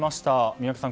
宮家さん